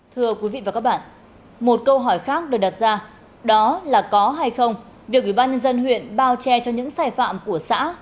thưa quý vị và các bạn một câu hỏi khác được đặt ra đó là có hay không việc ủy ban nhân dân huyện bao che cho những sai phạm của xã